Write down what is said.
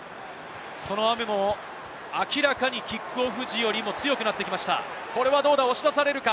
雨が明らかにキックオフ時よりも強くなってきました。